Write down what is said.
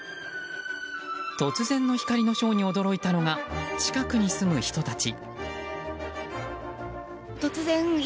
突然の光のショーに驚いたのが近くに住む人たち。